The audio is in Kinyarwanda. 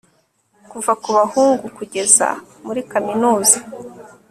kuva ku bahungu kugeza muri kaminuza